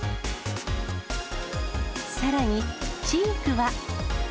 さらに、チークは。